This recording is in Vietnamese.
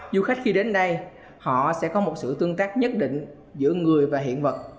du khách khi đến đây họ sẽ có một sự tương tác nhất định giữa người và hiện vật